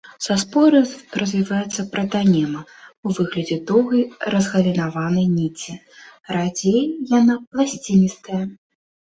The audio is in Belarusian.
Са споры развіваецца пратанема ў выглядзе доўгай разгалінаванай ніці, радзей яна пласціністая.